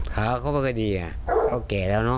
ขาเข้าไปก็ดีอ่ะเขาแก่แล้วเนอะ